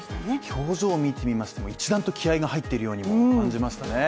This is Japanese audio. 表情を見てみましても一段と気合が入っているようにも感じましたね